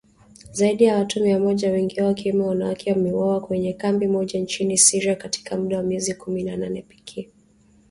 Zaidi ya watu mia moja wengi wao wakiwemo wanawake wameuawa kwenye kambi moja nchini Syria katika muda wa miezi kumi na nane pekee.